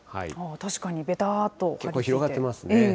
確かに、結構広がってますね。